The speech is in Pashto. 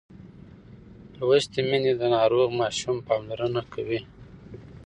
لوستې میندې د ناروغ ماشوم پاملرنه کوي.